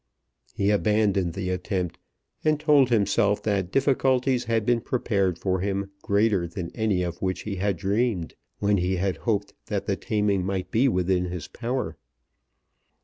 He abandoned the attempt, and told himself that difficulties had been prepared for him greater than any of which he had dreamed when he had hoped that that taming might be within his power.